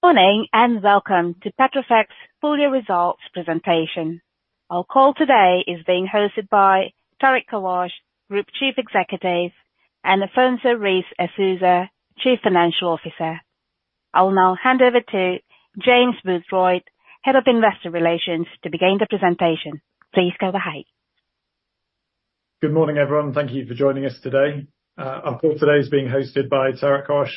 Morning, and welcome to Petrofac's full year results presentation. Our call today is being hosted by Tareq Kawash, Group Chief Executive, and Afonso Reis e Sousa, Chief Financial Officer. I'll now hand over to James Boothroyd, Head of Investor Relations, to begin the presentation. Please go ahead. Good morning, everyone. Thank you for joining us today. Our call today is being hosted by Tareq Kawash,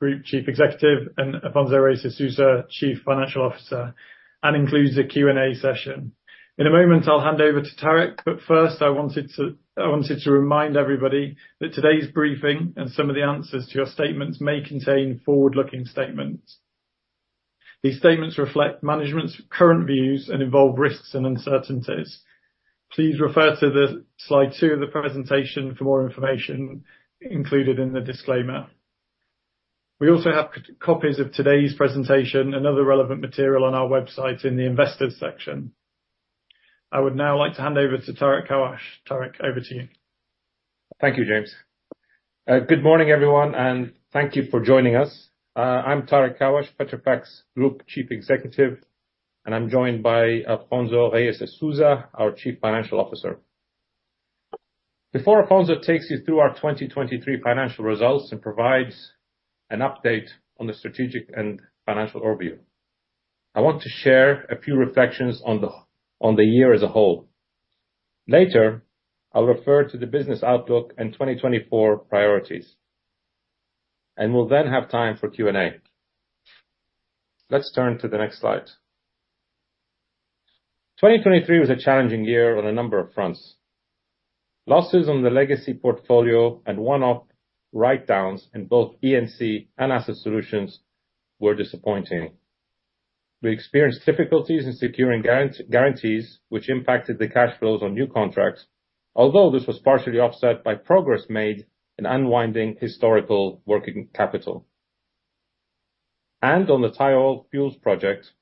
Group Chief Executive, and Afonso Reis e Sousa, Chief Financial Officer, and includes a Q&A session. In a moment, I'll hand over to Tareq, but first, I wanted to remind everybody that today's briefing and some of the answers to your statements may contain forward-looking statements. These statements reflect management's current views and involve risks and uncertainties. Please refer to the slide two of the presentation for more information included in the disclaimer. We also have copies of today's presentation and other relevant material on our website in the Investors section. I would now like to hand over to Tareq Kawash. Tareq, over to you. Thank you, James. Good morning, everyone, and thank you for joining us. I'm Tareq Kawash, Petrofac's Group Chief Executive, and I'm joined by Afonso Reis e Sousa, our Chief Financial Officer. Before Afonso takes you through our 2023 financial results and provides an update on the strategic and financial overview, I want to share a few reflections on the, on the year as a whole. Later, I'll refer to the business outlook and 2024 priorities, and we'll then have time for Q&A. Let's turn to the next slide. 2023 was a challenging year on a number of fronts. Losses on the legacy portfolio and one-off write-downs in both E&C and Asset Solutions were disappointing. We experienced difficulties in securing guarantees which impacted the cash flows on new contracts, although this was partially offset by progress made in unwinding historical working capital. On the Thai Oil Fuels project,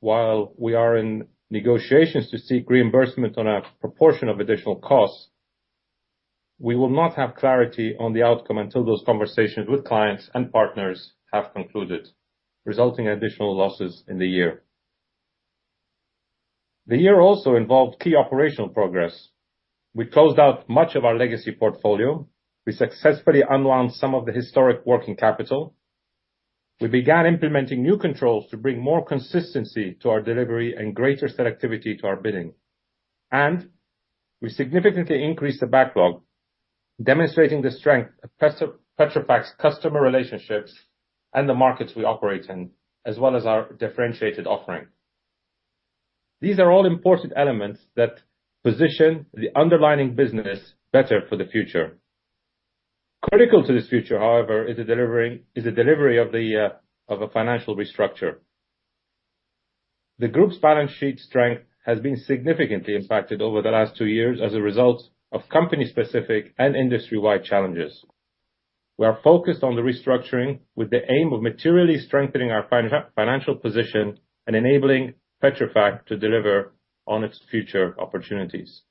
while we are in negotiations to seek reimbursement on a proportion of additional costs, we will not have clarity on the outcome until those conversations with clients and partners have concluded, resulting in additional losses in the year. The year also involved key operational progress. We closed out much of our legacy portfolio. We successfully unwound some of the historic working capital. We began implementing new controls to bring more consistency to our delivery and greater selectivity to our bidding. And we significantly increased the backlog, demonstrating the strength of Petrofac's customer relationships and the markets we operate in, as well as our differentiated offering. These are all important elements that position the underlying business better for the future. Critical to this future, however, is the delivery of a financial restructure. The group's balance sheet strength has been significantly impacted over the last two years as a result of company-specific and industry-wide challenges. We are focused on the restructuring with the aim of materially strengthening our financial position and enabling Petrofac to deliver on its future opportunities.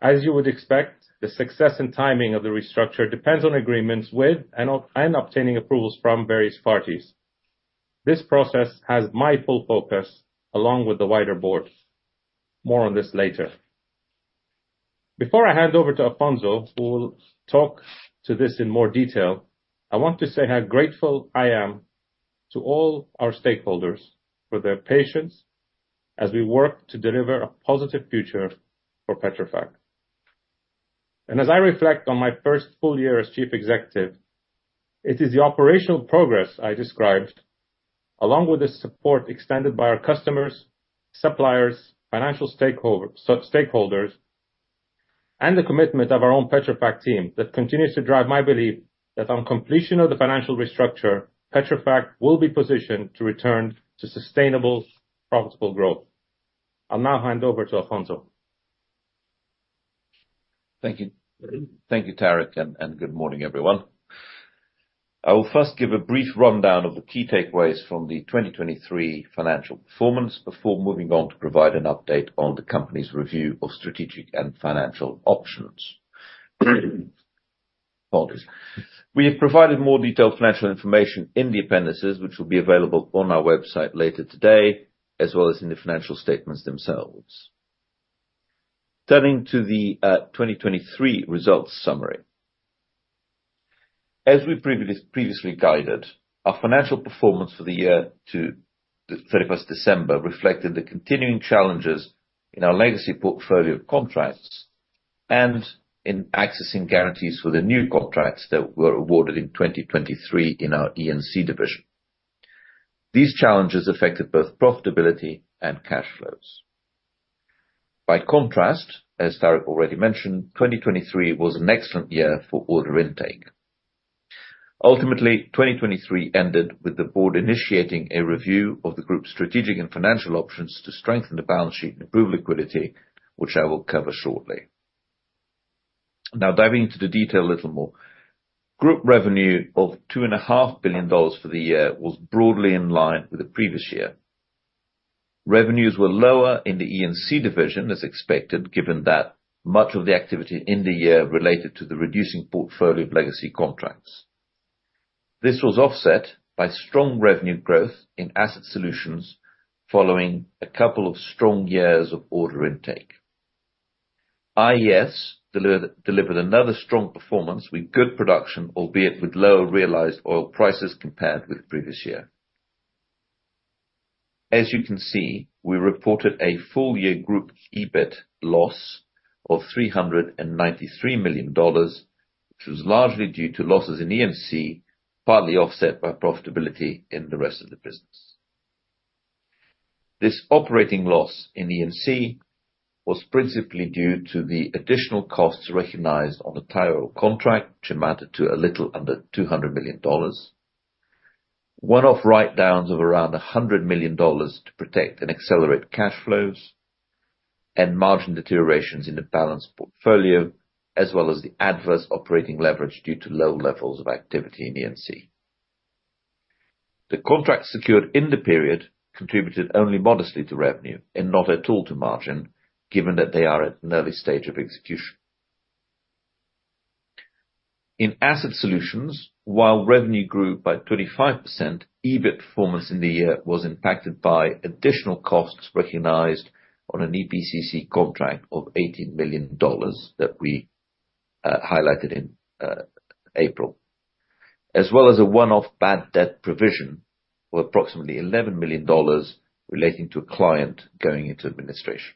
As you would expect, the success and timing of the restructure depends on agreements with and obtaining approvals from various parties. This process has my full focus, along with the wider board. More on this later. Before I hand over to Afonso, who will talk to this in more detail, I want to say how grateful I am to all our stakeholders for their patience as we work to deliver a positive future for Petrofac. As I reflect on my first full year as Chief Executive, it is the operational progress I described, along with the support extended by our customers, suppliers, financial stakeholders, and the commitment of our own Petrofac team, that continues to drive my belief that on completion of the financial restructure, Petrofac will be positioned to return to sustainable, profitable growth. I'll now hand over to Afonso. Thank you. Thank you, Tareq, and good morning, everyone. I will first give a brief rundown of the key takeaways from the 2023 financial performance before moving on to provide an update on the company's review of strategic and financial options. Apologies. We have provided more detailed financial information in the appendices, which will be available on our website later today, as well as in the financial statements themselves. Turning to the 2023 results summary. As we previously guided, our financial performance for the year to 31st December reflected the continuing challenges in our legacy portfolio of contracts and in accessing guarantees for the new contracts that were awarded in 2023 in our E&C division. These challenges affected both profitability and cash flows. By contrast, as Tareq already mentioned, 2023 was an excellent year for order intake. Ultimately, 2023 ended with the board initiating a review of the group's strategic and financial options to strengthen the balance sheet and improve liquidity, which I will cover shortly. Now, diving into the detail a little more. Group revenue of $2.5 billion for the year was broadly in line with the previous year. Revenues were lower in the E&C division, as expected, given that much of the activity in the year related to the reducing portfolio of legacy contracts. This was offset by strong revenue growth in Asset Solutions, following a couple of strong years of order intake. IES delivered another strong performance with good production, albeit with lower realized oil prices compared with previous year. As you can see, we reported a full year group EBIT loss of $393 million, which was largely due to losses in E&C, partly offset by profitability in the rest of the business. This operating loss in E&C was principally due to the additional costs recognized on the Thai Oil contract, which amounted to a little under $200 million. One-off write downs of around $100 million to protect and accelerate cash flows, and margin deteriorations in the balanced portfolio, as well as the adverse operating leverage due to low levels of activity in E&C. The contracts secured in the period contributed only modestly to revenue, and not at all to margin, given that they are at an early stage of execution. In Asset Solutions, while revenue grew by 35%, EBIT performance in the year was impacted by additional costs recognized on an EPCC contract of $18 million that we highlighted in April, as well as a one-off bad debt provision of approximately $11 million relating to a client going into administration.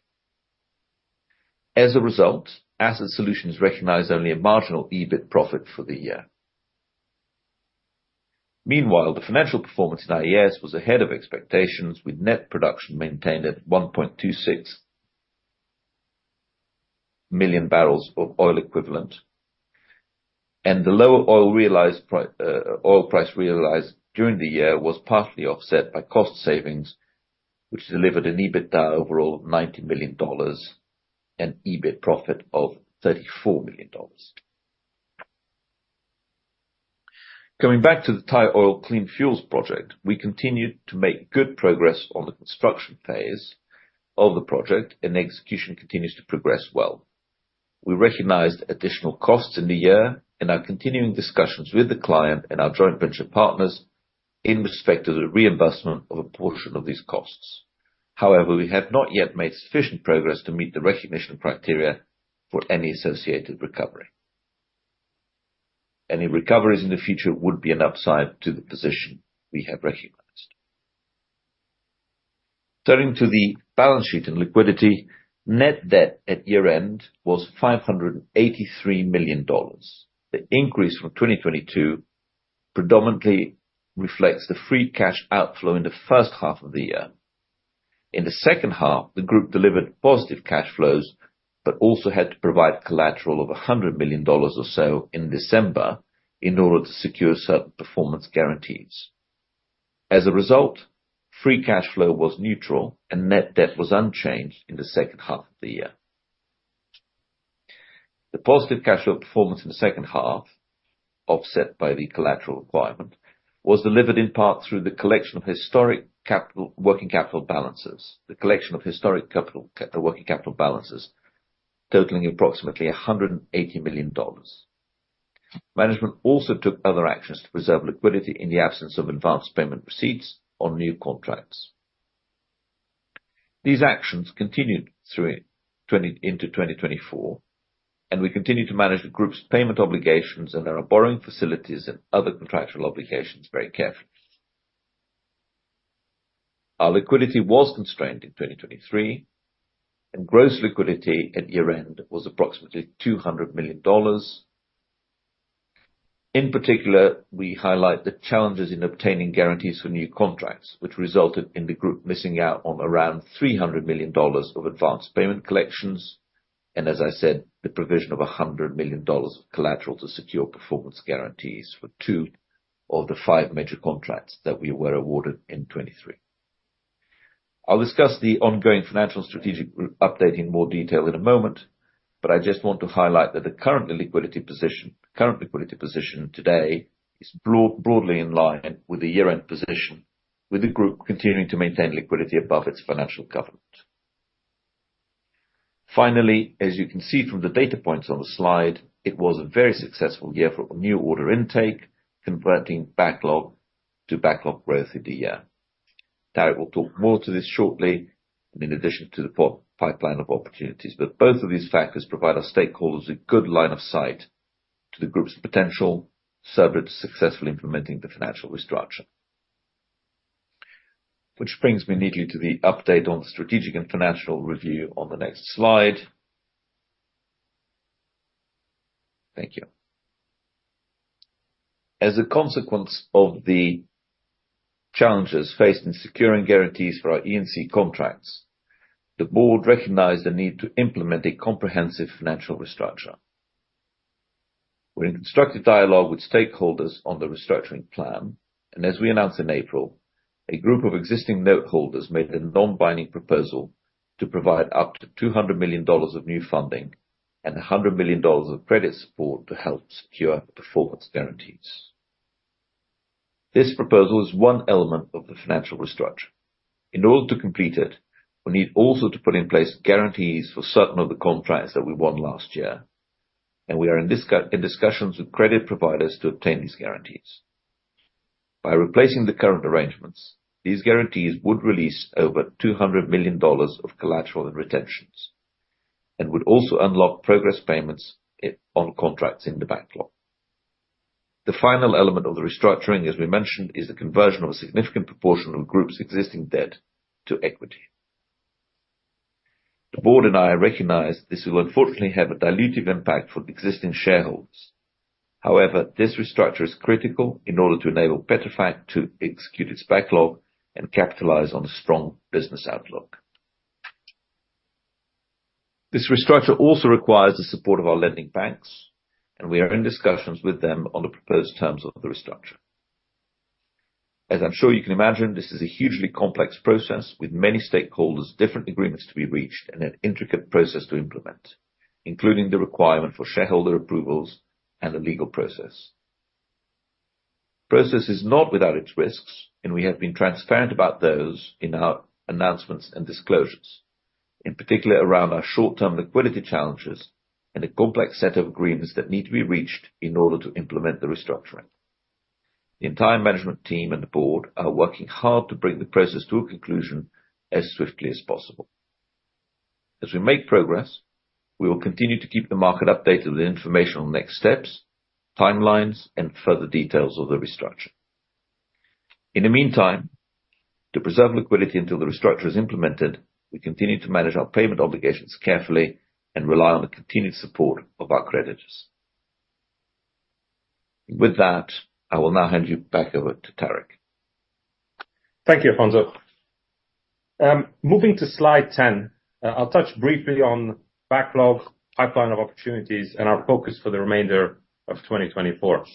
As a result, Asset Solutions recognized only a marginal EBIT profit for the year. Meanwhile, the financial performance in IES was ahead of expectations, with net production maintained at 1.26 million bbl of oil equivalent. The lower oil price realized during the year was partly offset by cost savings, which delivered an EBITDA overall of $90 million and EBIT profit of $34 million. Going back to the Thai Oil Clean Fuels project, we continued to make good progress on the construction phase of the project, and execution continues to progress well. We recognized additional costs in the year and are continuing discussions with the client and our joint venture partners in respect to the reimbursement of a portion of these costs. However, we have not yet made sufficient progress to meet the recognition criteria for any associated recovery. Any recoveries in the future would be an upside to the position we have recognized. Turning to the balance sheet and liquidity, net debt at year-end was $583 million. The increase from 2022 predominantly reflects the free cash outflow in the first half of the year. In the second half, the group delivered positive cash flows, but also had to provide collateral of $100 million or so in December in order to secure certain performance guarantees. As a result, free cash flow was neutral, and net debt was unchanged in the second half of the year. The positive cash flow performance in the second half, offset by the collateral requirement, was delivered in part through the collection of historic working capital balances totaling approximately $180 million. Management also took other actions to preserve liquidity in the absence of advance payment receipts on new contracts. These actions continued through 2020, into 2024, and we continue to manage the group's payment obligations and our borrowing facilities and other contractual obligations very carefully. Our liquidity was constrained in 2023, and gross liquidity at year-end was approximately $200 million. In particular, we highlight the challenges in obtaining guarantees for new contracts, which resulted in the group missing out on around $300 million of advanced payment collections, and as I said, the provision of $100 million of collateral to secure performance guarantees for two of the five major contracts that we were awarded in 2023. I'll discuss the ongoing financial strategic update in more detail in a moment, but I just want to highlight that the current liquidity position today is broadly in line with the year-end position, with the group continuing to maintain liquidity above its financial covenant. Finally, as you can see from the data points on the slide, it was a very successful year for new order intake, converting backlog to backlog growth through the year. Tareq will talk more to this shortly, and in addition to the pipeline of opportunities, but both of these factors provide our stakeholders a good line of sight to the group's potential, subject to successfully implementing the financial restructure. Which brings me neatly to the update on the strategic and financial review on the next slide. Thank you. As a consequence of the challenges faced in securing guarantees for our E&C contracts, the board recognized the need to implement a comprehensive financial restructure. We're in constructive dialogue with stakeholders on the restructuring plan, and as we announced in April, a group of existing note holders made a non-binding proposal to provide up to $200 million of new funding and $100 million of credit support to help secure performance guarantees. This proposal is one element of the financial restructure. In order to complete it, we need also to put in place guarantees for certain of the contracts that we won last year, and we are in discussions with credit providers to obtain these guarantees. By replacing the current arrangements, these guarantees would release over $200 million of collateral and retentions, and would also unlock progress payments on contracts in the backlog. The final element of the restructuring, as we mentioned, is the conversion of a significant proportion of group's existing debt to equity. The board and I recognize this will unfortunately have a dilutive impact for existing shareholders. However, this restructure is critical in order to enable Petrofac to execute its backlog and capitalize on a strong business outlook. This restructure also requires the support of our lending banks, and we are in discussions with them on the proposed terms of the restructure. As I'm sure you can imagine, this is a hugely complex process with many stakeholders, different agreements to be reached, and an intricate process to implement, including the requirement for shareholder approvals and the legal process. Process is not without its risks, and we have been transparent about those in our announcements and disclosures, in particular around our short-term liquidity challenges and a complex set of agreements that need to be reached in order to implement the restructuring. The entire management team and the board are working hard to bring the process to a conclusion as swiftly as possible. As we make progress, we will continue to keep the market updated with information on next steps, timelines, and further details of the restructure. In the meantime, to preserve liquidity until the restructure is implemented, we continue to manage our payment obligations carefully and rely on the continued support of our creditors. With that, I will now hand you back over to Tareq. Thank you, Afonso. Moving to slide 10, I'll touch briefly on backlog, pipeline of opportunities, and our focus for the remainder of 2024.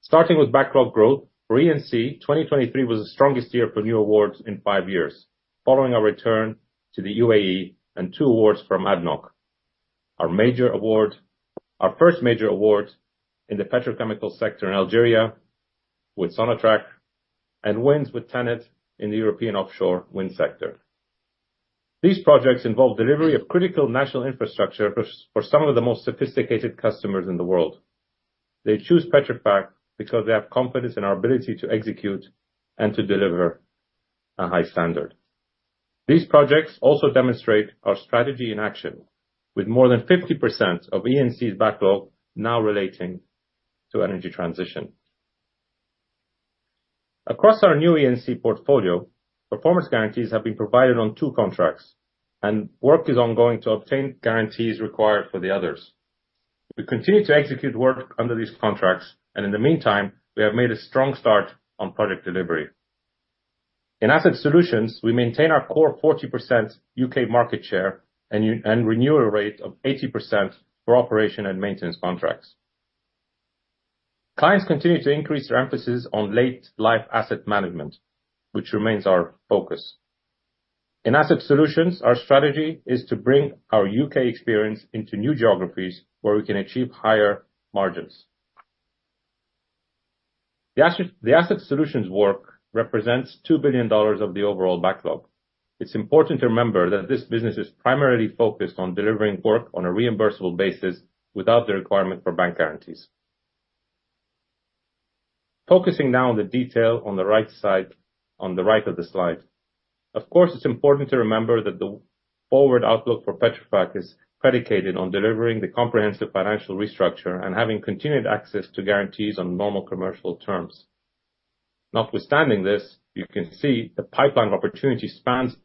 Starting with backlog growth, for E&C, 2023 was the strongest year for new awards in five years, following our return to the UAE and two awards from ADNOC. Our major award, our first major award in the petrochemical sector in Algeria with Sonatrach, and wins with TenneT in the European offshore wind sector. These projects involve delivery of critical national infrastructure for some of the most sophisticated customers in the world. They choose Petrofac because they have confidence in our ability to execute and to deliver a high standard. These projects also demonstrate our strategy in action, with more than 50% of E&C's backlog now relating to energy transition. Across our new E&C portfolio, performance guarantees have been provided on two contracts, and work is ongoing to obtain guarantees required for the others. We continue to execute work under these contracts, and in the meantime, we have made a strong start on project delivery. In Asset Solutions, we maintain our core 40% U.K. market share and win-and-renewal rate of 80% for operation and maintenance contracts. Clients continue to increase their emphasis on late life asset management, which remains our focus. In Asset Solutions, our strategy is to bring our U.K. experience into new geographies where we can achieve higher margins. The Asset Solutions work represents $2 billion of the overall backlog. It's important to remember that this business is primarily focused on delivering work on a reimbursable basis without the requirement for bank guarantees. Focusing now on the detail on the right side, on the right of the slide. Of course, it's important to remember that the forward outlook for Petrofac is predicated on delivering the comprehensive financial restructure and having continued access to guarantees on normal commercial terms. Notwithstanding this, you can see the pipeline opportunity spans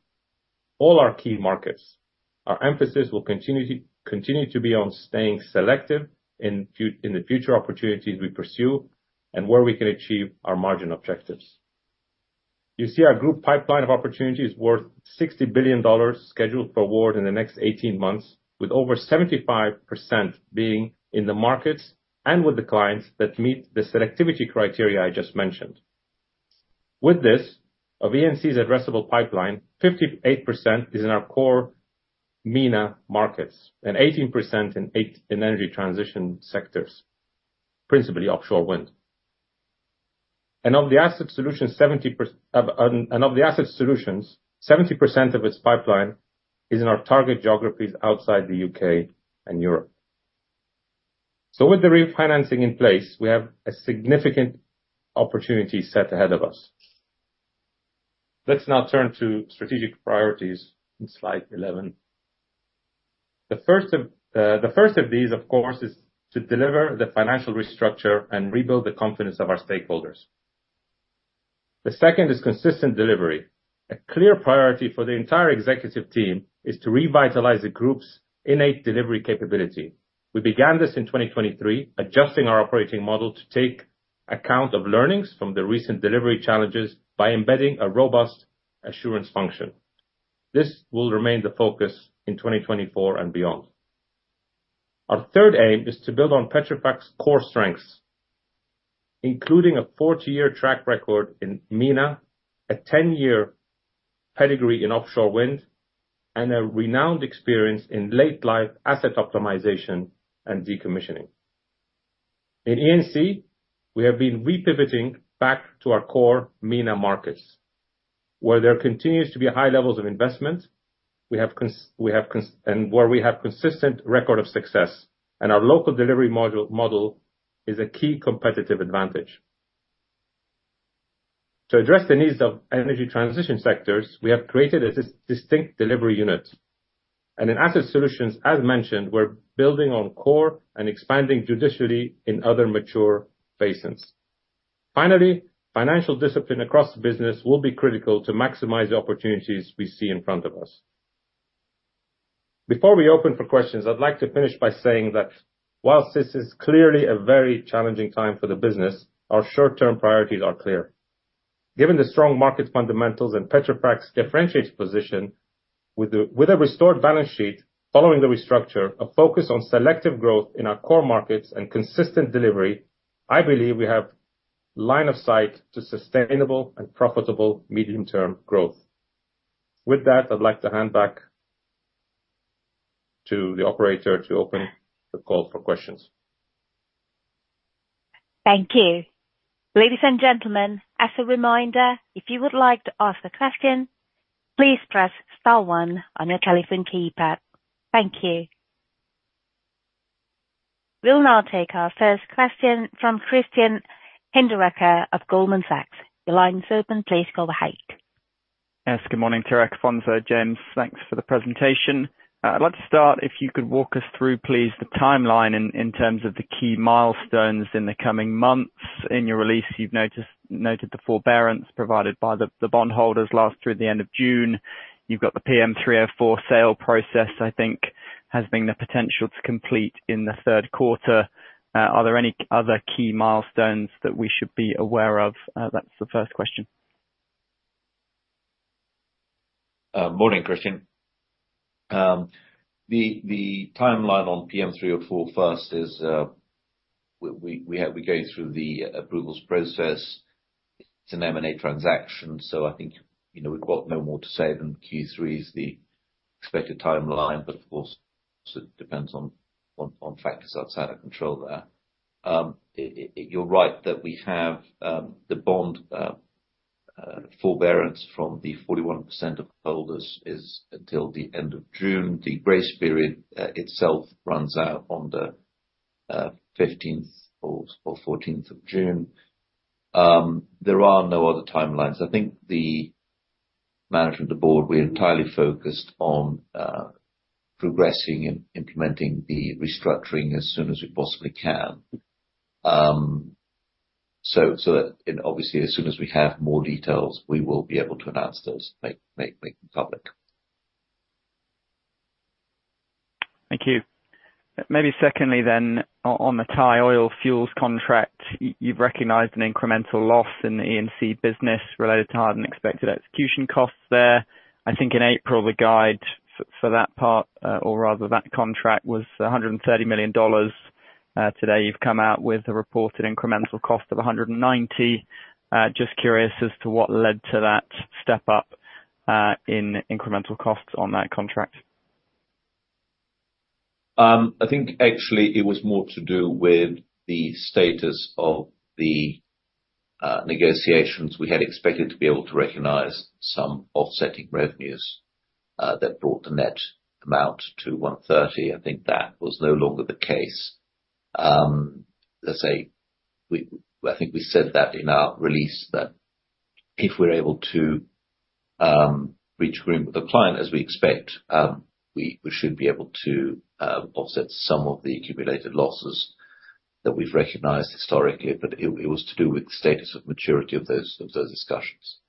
all our key markets. Our emphasis will continue to be on staying selective in the future opportunities we pursue and where we can achieve our margin objectives. You see our group pipeline of opportunities worth $60 billion, scheduled for award in the next 18 months, with over 75% being in the markets and with the clients that meet the selectivity criteria I just mentioned. With this, of E&C's addressable pipeline, 58% is in our core MENA markets and 18% in energy transition sectors, principally offshore wind. Of the Asset Solutions, 70% of its pipeline is in our target geographies outside the U.K. and Europe. With the refinancing in place, we have a significant opportunity set ahead of us. Let's now turn to strategic priorities in slide 11. The first of these, of course, is to deliver the financial restructure and rebuild the confidence of our stakeholders. The second is consistent delivery. A clear priority for the entire executive team is to revitalize the group's innate delivery capability. We began this in 2023, adjusting our operating model to take account of learnings from the recent delivery challenges by embedding a robust assurance function. This will remain the focus in 2024 and beyond. Our third aim is to build on Petrofac's core strengths, including a 40-year track record in MENA, a 10-year pedigree in offshore wind, and a renowned experience in late life asset optimization and decommissioning. In E&C, we have been re-pivoting back to our core MENA markets, where there continues to be high levels of investment and where we have a consistent record of success, and our local delivery model is a key competitive advantage. To address the needs of energy transition sectors, we have created a distinct delivery unit. In Asset Solutions, as mentioned, we're building on core and expanding judiciously in other mature basins. Finally, financial discipline across the business will be critical to maximize the opportunities we see in front of us. Before we open for questions, I'd like to finish by saying that while this is clearly a very challenging time for the business, our short-term priorities are clear. Given the strong market fundamentals and Petrofac's differentiated position, with a restored balance sheet following the restructure, a focus on selective growth in our core markets and consistent delivery, I believe we have line of sight to sustainable and profitable medium-term growth. With that, I'd like to hand back to the operator to open the call for questions. Thank you. Ladies and gentlemen, as a reminder, if you would like to ask a question, please press star one on your telephone keypad. Thank you. We'll now take our first question from Christian Hinderaker of Goldman Sachs. The line's open, please go ahead. Yes, good morning, Tareq, Afonso, James. Thanks for the presentation. I'd like to start, if you could walk us through, please, the timeline in terms of the key milestones in the coming months. In your release, you've noted the forbearance provided by the bondholders last through the end of June. You've got the PM304 sale process, I think, has been the potential to complete in the third quarter. Are there any other key milestones that we should be aware of? That's the first question. Morning, Christian. The timeline on PM304 first is, we're going through the approvals process. It's an M&A transaction, so I think, you know, we've got no more to say than Q3 is the expected timeline, but of course, it depends on factors outside our control there. You're right that we have the bond forbearance from the 41% of holders is until the end of June. The grace period itself runs out on the fifteenth or fourteenth of June. There are no other timelines. I think the management of the board, we are entirely focused on progressing and implementing the restructuring as soon as we possibly can. So, and obviously, as soon as we have more details, we will be able to announce those, make them public. Thank you. Maybe secondly then, on the Thai Oil Fuels contract, you've recognized an incremental loss in the E&C business related to higher-than-expected execution costs there. I think in April, the guide for that part, or rather that contract, was $130 million. Today, you've come out with a reported incremental cost of $190 million. Just curious as to what led to that step up in incremental costs on that contract? I think actually it was more to do with the status of the negotiations. We had expected to be able to recognize some offsetting revenues that brought the net amount to $130. I think that was no longer the case. Let's say, I think we said that in our release, that if we're able to reach agreement with the client, as we expect, we should be able to offset some of the accumulated losses that we've recognized historically. But it was to do with the status of maturity of those discussions.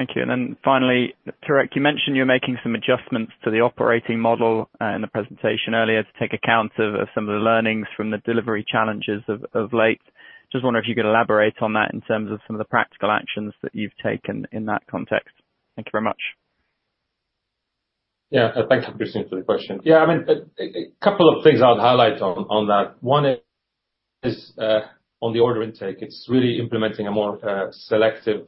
Thank you. And then finally, Tareq, you mentioned you're making some adjustments to the operating model in the presentation earlier, to take account of some of the learnings from the delivery challenges of late. Just wonder if you could elaborate on that in terms of some of the practical actions that you've taken in that context. Thank you very much. Yeah, thank you, Christian, for the question. Yeah, I mean, a couple of things I'll highlight on that. One is on the order intake. It's really implementing a more selective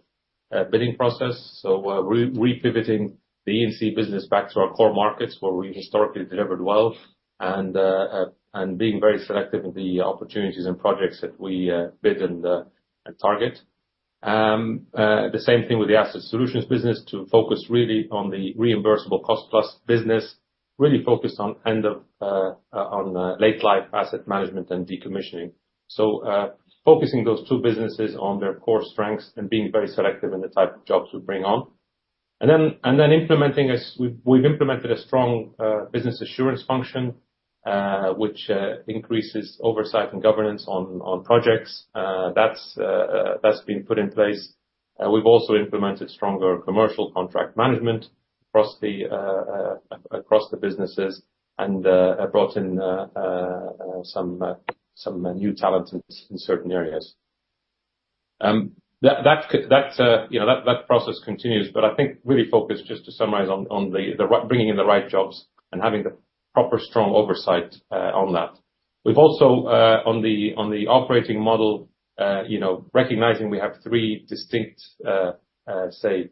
bidding process. So we're re-pivoting the E&C business back to our core markets, where we historically delivered well, and being very selective in the opportunities and projects that we bid and target. The same thing with the Asset Solutions business, to focus really on the reimbursable cost plus business. Really focused on end of late life asset management and decommissioning. So, focusing those two businesses on their core strengths and being very selective in the type of jobs we bring on. We've implemented a strong business assurance function, which increases oversight and governance on projects. That's been put in place. We've also implemented stronger commercial contract management across the businesses and brought in some new talent in certain areas. You know, that process continues, but I think really focused, just to summarize, on bringing in the right jobs and having the proper strong oversight on that. We've also, on the operating model, you know, recognizing we have three distinct, say,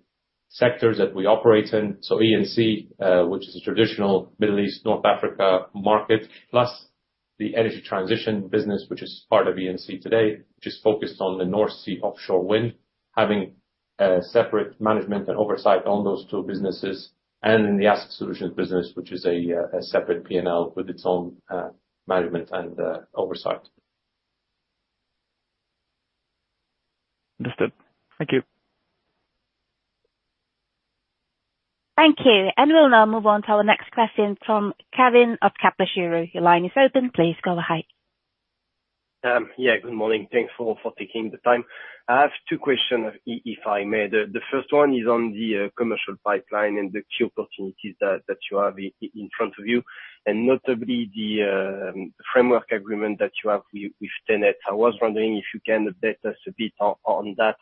sectors that we operate in, so E&C, which is a traditional Middle East, North Africa market, plus the energy transition business, which is part of E&C today, which is focused on the North Sea offshore wind, having a separate management and oversight on those two businesses, and in the Asset Solutions business, which is a separate P&L with its own, management and, oversight. Understood. Thank you. Thank you. We'll now move on to our next question from Kevin of Kepler Cheuvreux. Your line is open. Please go ahead. Yeah, good morning. Thanks for taking the time. I have two questions, if I may. The first one is on the commercial pipeline and the key opportunities that you have in front of you, and notably the framework agreement that you have with TenneT. I was wondering if you can update us a bit on that,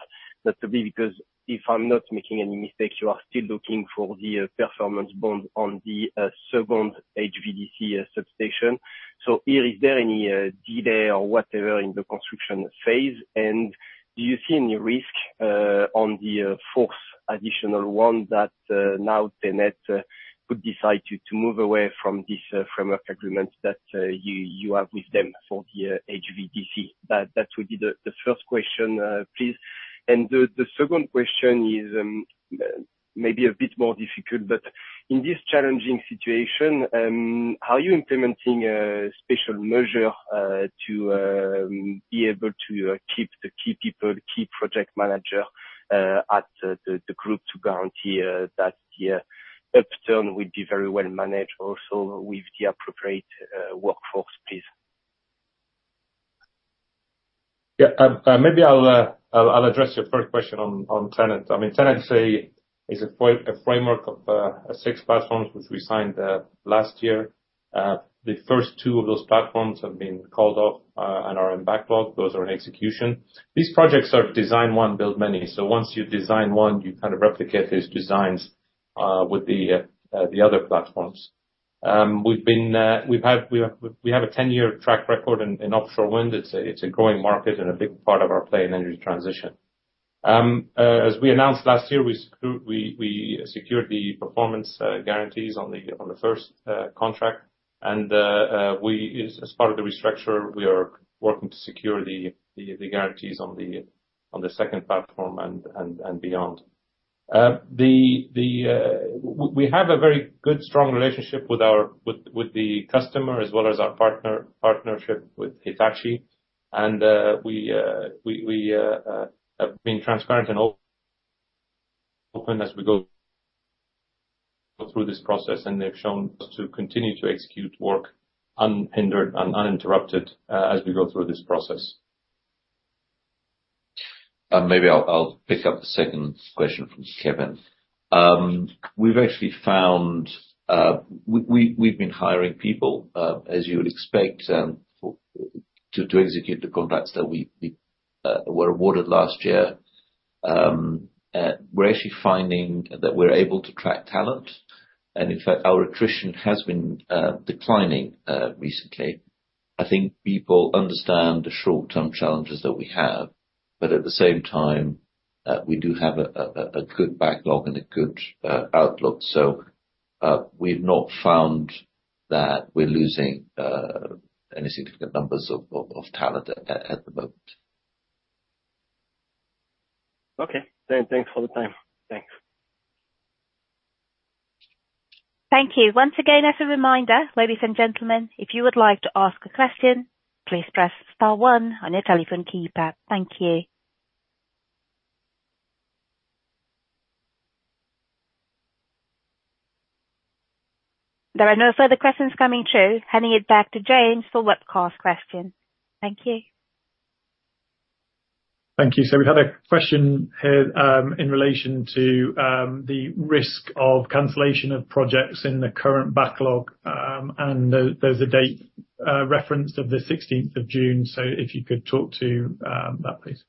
notably because if I'm not making any mistakes, you are still looking for the performance bond on the second HVDC substation. So here, is there any delay or whatever in the construction phase? And do you see any risk on the fourth additional one that now TenneT could decide to move away from this framework agreement that you have with them for the HVDC? That would be the first question, please. The second question is, maybe a bit more difficult, but in this challenging situation, are you implementing a special measure to be able to keep the key people, key project manager at the group to guarantee that the upturn will be very well managed also with the appropriate workforce, please? Yeah. Maybe I'll address your first question on TenneT. I mean, TenneT is a framework of six platforms, which we signed last year. The first two of those platforms have been called off and are in backlog. Those are in execution. These projects are design one, build many, so once you design one, you kind of replicate those designs with the other platforms. We have a ten-year track record in offshore wind. It's a growing market and a big part of our play in energy transition. As we announced last year, we secured the performance guarantees on the first contract, and as part of the restructure, we are working to secure the guarantees on the second platform and beyond. We have a very good, strong relationship with our customer, as well as our partnership with Hitachi, and we have been transparent and open as we go through this process, and they've shown us to continue to execute work unhindered and uninterrupted as we go through this process. Maybe I'll pick up the second question from Kevin. We've actually found... we've been hiring people, as you would expect, to execute the contracts that we were awarded last year. We're actually finding that we're able to track talent, and in fact, our attrition has been declining recently. I think people understand the short-term challenges that we have, but at the same time, we do have a good backlog and a good outlook. So, we've not found that we're losing any significant numbers of talent at the moment. Okay. Thanks for the time. Thanks. Thank you. Once again, as a reminder, ladies and gentlemen, if you would like to ask a question, please press star one on your telephone keypad. Thank you. There are no further questions coming through. Handing it back to James for webcast question. Thank you. Thank you. So we had a question here, in relation to, the risk of cancellation of projects in the current backlog, and there, there's a date referenced of the 16th of June. So if you could talk to, that, please.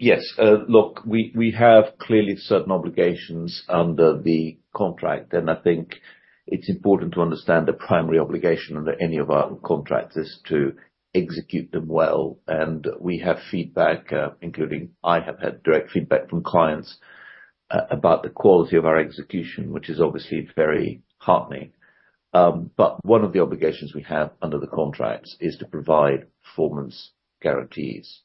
Yes. Look, we have clearly certain obligations under the contract, and I think it's important to understand the primary obligation under any of our contracts is to execute them well, and we have feedback, including I have had direct feedback from clients about the quality of our execution, which is obviously very heartening. But one of the obligations we have under the contracts is to provide performance guarantees,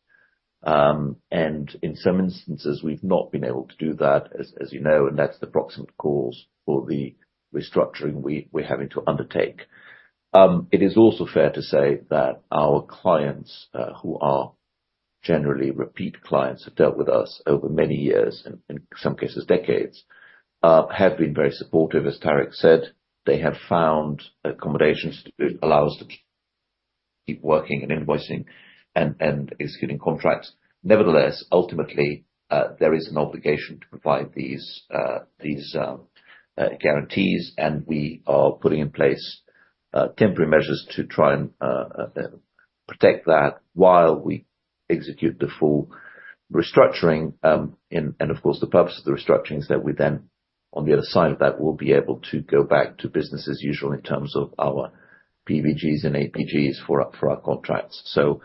and in some instances, we've not been able to do that, as you know, and that's the proximate cause for the restructuring we're having to undertake. It is also fair to say that our clients, who are generally repeat clients, have dealt with us over many years, and in some cases, decades, have been very supportive. As Tareq said, they have found accommodations to allow us to keep working and invoicing, and executing contracts. Nevertheless, ultimately, there is an obligation to provide these guarantees, and we are putting in place temporary measures to try and protect that while we execute the full restructuring. Of course, the purpose of the restructuring is that we then, on the other side of that, will be able to go back to business as usual in terms of our PBGs and APGs for our contracts. So,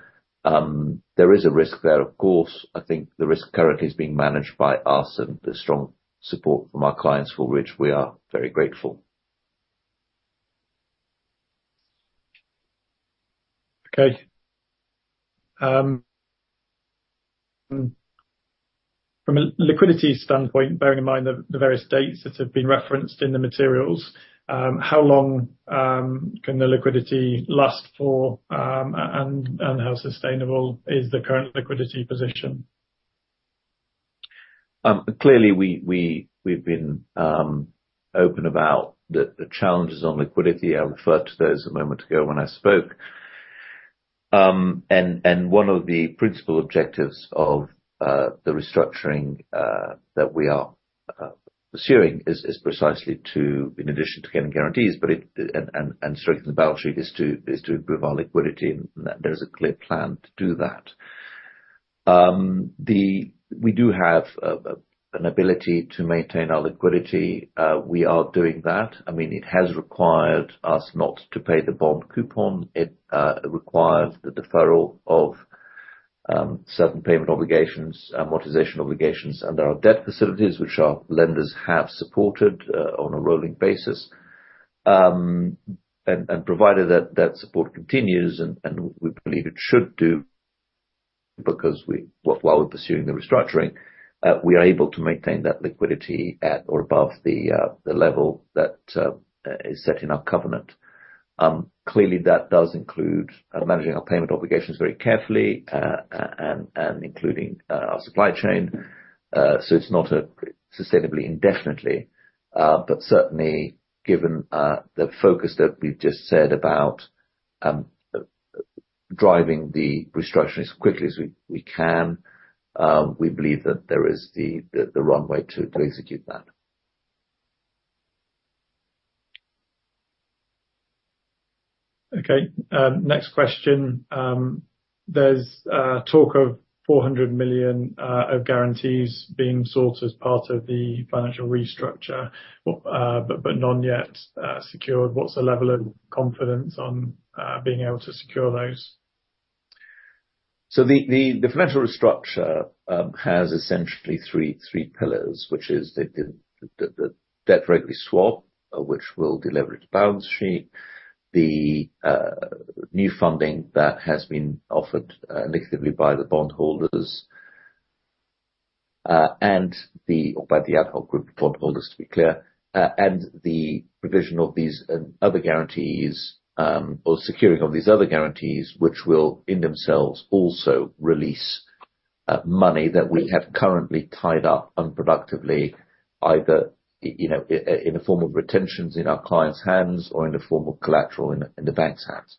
there is a risk there, of course. I think the risk currently is being managed by us, and the strong support from our clients, for which we are very grateful. Okay. From a liquidity standpoint, bearing in mind the various dates that have been referenced in the materials, how long can the liquidity last for, and how sustainable is the current liquidity position? Clearly, we've been open about the challenges on liquidity. I referred to those a moment ago when I spoke. And one of the principal objectives of the restructuring that we are pursuing is precisely to, in addition to getting guarantees, and strengthening the balance sheet, is to improve our liquidity, and there's a clear plan to do that. We do have an ability to maintain our liquidity. We are doing that. I mean, it has required us not to pay the bond coupon. It requires the deferral of certain payment obligations, amortization obligations, under our debt facilities, which our lenders have supported on a rolling basis. And provided that that support continues, and we believe it should do, because while we're pursuing the restructuring, we are able to maintain that liquidity at or above the level that is set in our covenant. Clearly, that does include managing our payment obligations very carefully, and including our supply chain. So it's not sustainably, indefinitely, but certainly, given the focus that we've just said about driving the restructuring as quickly as we can, we believe that there is the runway to execute that. Okay. Next question. There's talk of $400 million of guarantees being sought as part of the financial restructure, but none yet secured. What's the level of confidence on being able to secure those? So the financial restructure has essentially three pillars, which is the debt-to-equity swap, which will deleverage the balance sheet, the new funding that has been offered indicatively by the bondholders, and the or by the ad hoc group of bondholders, to be clear, and the provision of these and other guarantees or securing of these other guarantees, which will, in themselves, also release money that we have currently tied up unproductively, either you know, in the form of retentions in our clients' hands or in the form of collateral in the bank's hands.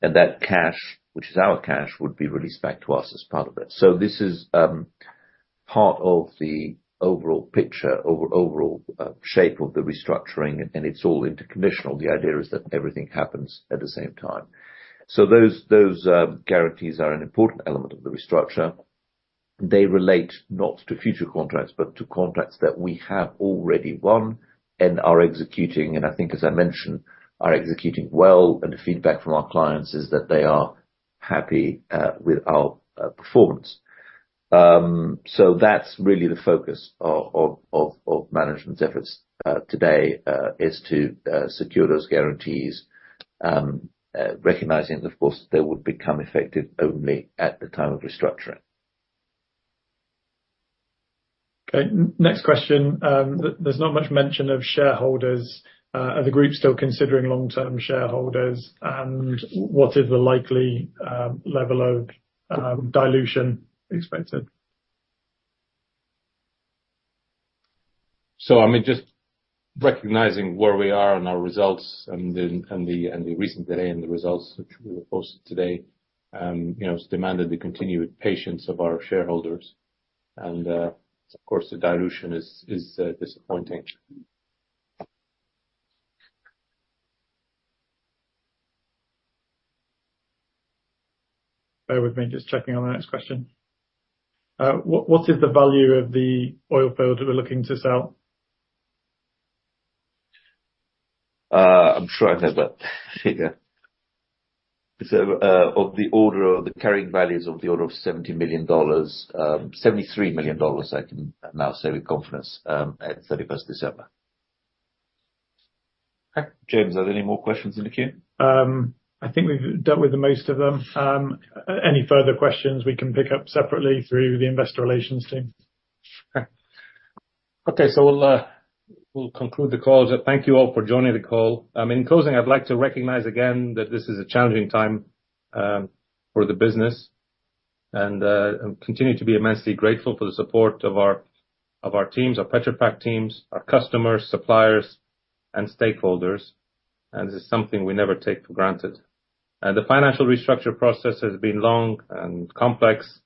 And that cash, which is our cash, would be released back to us as part of it. So this is part of the overall picture, overall shape of the restructuring, and it's all interconditional. The idea is that everything happens at the same time. So those guarantees are an important element of the restructure. They relate not to future contracts, but to contracts that we have already won and are executing, and I think, as I mentioned, are executing well. And the feedback from our clients is that they are happy with our performance. So that's really the focus of management's efforts today is to secure those guarantees, recognizing, of course, they would become effective only at the time of restructuring. Okay. Next question. There's not much mention of shareholders. Are the group still considering long-term shareholders? And what is the likely level of dilution expected? So, I mean, just recognizing where we are in our results and the recent delay in the results, which we posted today, you know, has demanded the continued patience of our shareholders. And, of course, the dilution is disappointing. Bear with me, just checking on the next question. What, what is the value of the oil fields that we're looking to sell? I'm sure I know that figure. It's of the order of the carrying values, of the order of $70 million, $73 million, I can now say with confidence, at 31st December. Okay. James, are there any more questions in the queue? I think we've dealt with the most of them. Any further questions, we can pick up separately through the investor relations team. Okay. Okay, so we'll conclude the call. So thank you all for joining the call. In closing, I'd like to recognize again that this is a challenging time for the business, and I continue to be immensely grateful for the support of our, of our teams, our Petrofac teams, our customers, suppliers, and stakeholders, and this is something we never take for granted. The financial restructure process has been long and complex,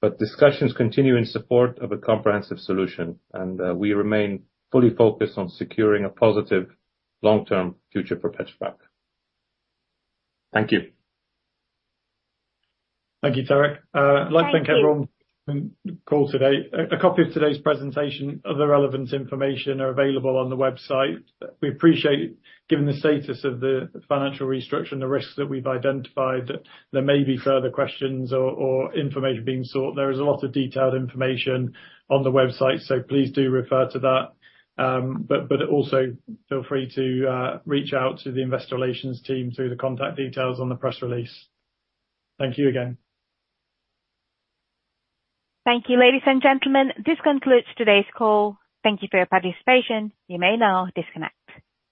but discussions continue in support of a comprehensive solution, and we remain fully focused on securing a positive long-term future for Petrofac. Thank you. Thank you, Tareq. Thank you. I'd like to thank everyone on the call today. A copy of today's presentation of the relevant information are available on the website. We appreciate, given the status of the financial restructure and the risks that we've identified, that there may be further questions or information being sought. There is a lot of detailed information on the website, so please do refer to that. But also feel free to reach out to the investor relations team through the contact details on the press release. Thank you again. Thank you, ladies and gentlemen. This concludes today's call. Thank you for your participation. You may now disconnect.